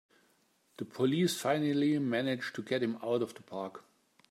The police finally manage to get him out of the park!